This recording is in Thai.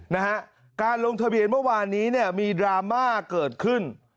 นะฮะการลงทะเบียนเมื่อวานนี้เนี่ยมีดราม่าเกิดขึ้น